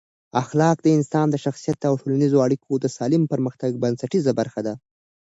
اخلاق د انسان د شخصیت او ټولنیزو اړیکو د سالم پرمختګ بنسټیزه برخه ده.